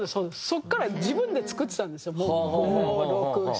そこから自分で作ってたんですよ。